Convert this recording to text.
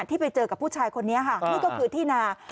ที่ไปเจอกับผู้ชายคนนี้ค่ะนี่ก็คือที่นา